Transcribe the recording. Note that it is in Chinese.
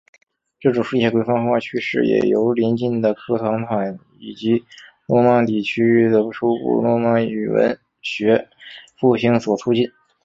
这种书写规范化趋势也由临近的科唐坦以及诺曼底区域的初步诺曼语文学复兴所促进。